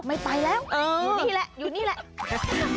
ไม่ไปแล้วอยู่นี้แล้ว